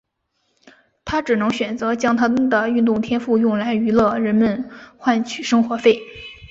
他只能选择将他的运动天赋用来娱乐人们而换取生活费。